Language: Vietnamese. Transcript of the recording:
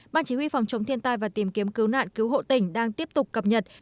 ban chỉ huy phòng chống thiên tai và tìm kiếm cứu nạn cứu hộ tỉnh đang tiếp tục cập nhật